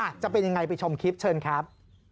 จะเป็นยังไงไปชมคลิปเชิญครับ